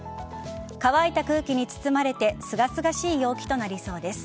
乾いた空気に包まれてすがすがしい陽気となりそうです。